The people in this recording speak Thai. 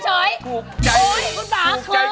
อุ้ยคุณป่าเคิบใหญ่มาก